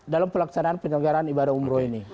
dalam pelaksanaan penyelenggaran ibadah umroh ini